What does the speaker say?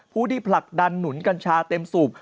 ผู้ที่ผลักดันหนุนกัญชาเต็มสูบ